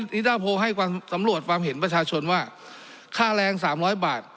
นิด้าโพลให้ความสำรวจความเห็นประชาชนว่าค่าแรง๓๐๐บาท